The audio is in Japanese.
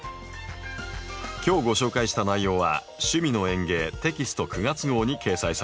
今日ご紹介した内容は「趣味の園芸」テキスト９月号に掲載されています。